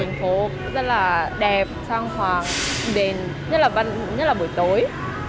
đường phố rất là đẹp sang hoàng đèn nhất là buổi tối